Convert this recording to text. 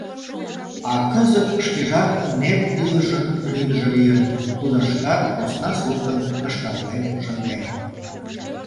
А кызыт шкежат нэп илышын рӱдыжӧ лийын, тудо шкат посна суртым кышкарлен шынден.